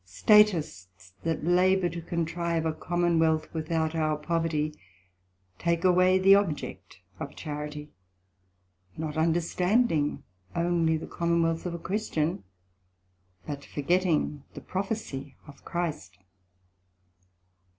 Statists that labour to contrive a Common wealth without our poverty, take away the object of charity, not understanding only the Common wealth of a Christian, but forgetting the prophecie of Christ.